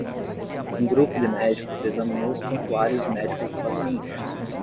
Um grupo de médicos examinou os prontuários médicos do paciente.